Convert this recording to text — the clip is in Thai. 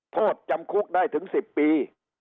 โทษจำคุกได้ถึง๑๐ปี